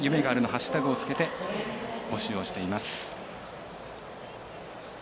ハッシュタグを付けて募集をしています。